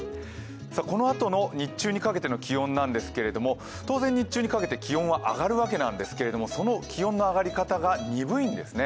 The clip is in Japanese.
このあとの日中のかけての気温なんですけれども、当然、日中にかけて気温は上がるわけなんですけれどもその気温の上がり方がにぶいんですね。